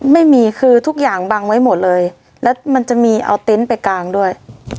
ไม่มีคือทุกอย่างบังไว้หมดเลยแล้วมันจะมีเอาเต็นต์ไปกางด้วย